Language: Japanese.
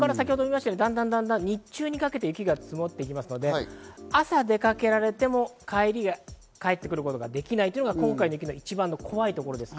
日中にかけて雪が積もっていきますので、朝に出かけられても、帰り、帰ってくることができないというのが今回の雪の一番怖いところ。